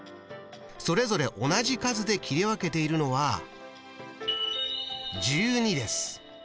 それぞれ同じ数で切り分けているのは１２です。